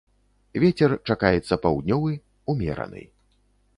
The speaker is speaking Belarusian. Вецер чакаецца паўднёвы, умераны.